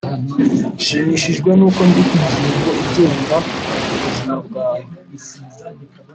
nshimishijwe nuko ndi ingingo igenda mubuzima bwawe.